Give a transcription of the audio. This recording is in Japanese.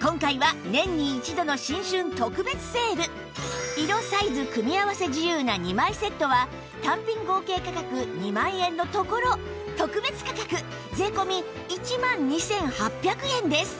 今回は年に一度の新春特別セール色・サイズ組み合わせ自由な２枚セットは単品合計価格２万円のところ特別価格税込１万２８００円です